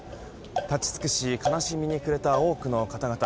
立ち尽くし、悲しみに暮れた多くの方々。